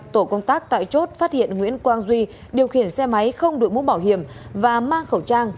tổ công tác tại chốt phát hiện nguyễn quang duy điều khiển xe máy không đội mũ bảo hiểm và mang khẩu trang